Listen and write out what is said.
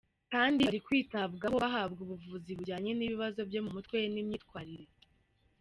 Kandi bari kwitabwaho bahabwa ubuvuzi bujyanye n’ibibazo byo mu mutwe n’imyitwarire.